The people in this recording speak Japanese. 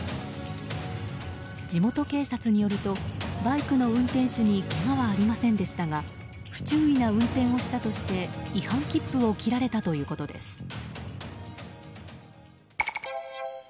地元警察によるとバイクの運転手にけがはありませんでしたが不注意な運転をしたとして違反切符を切られたということです。